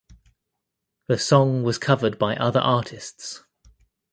The song was covered by other artists.